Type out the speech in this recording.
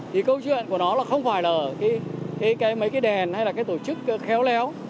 thì câu chuyện của nó là không phải là cái mấy cái đèn hay là cái tổ chức khéo léo